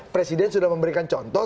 presiden sudah memberikan contoh